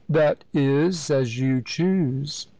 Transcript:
"That is as you choose."